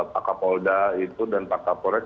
pak kapolda itu dan pak kapolres